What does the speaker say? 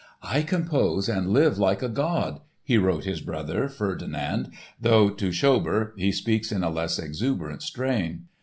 "I compose and live like a god," he wrote his brother, Ferdinand, though to Schober he speaks in a less exuberant strain.